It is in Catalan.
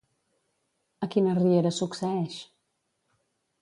A quina riera succeeix?